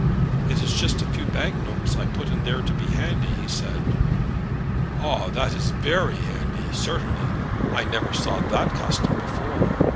"It is just a few bank notes I put in here to be handy," he said. "Ah; that is very handy, certainly. I never saw that custom before.